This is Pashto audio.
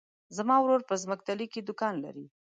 زما ورور په ځمکتلي کې دوکان لری.